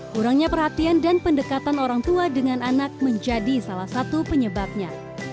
kurangnya perhatian dan pendekatan orang tua dengan anak menjadi salah satu penyebabnya